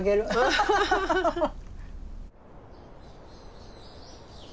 ハハハハ！